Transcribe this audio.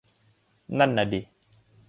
นั่นน่ะดิ